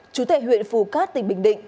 chú thệ huyện phù cát tỉnh bình định